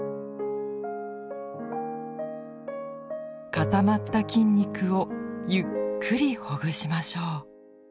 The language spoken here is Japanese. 固まった筋肉をゆっくりほぐしましょう。